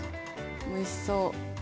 おいしそう。